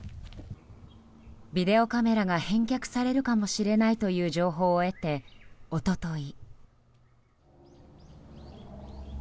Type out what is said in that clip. ビデオカメラが返却されるかもしれないという情報を得て、一昨日。